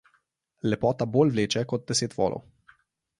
Lepota bolj vleče kot deset volov.